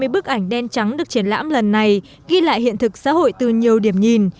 một trăm hai mươi bức ảnh đen trắng được triển lãm lần này ghi lại hiện thực xã hội từ nhiều điểm nhìn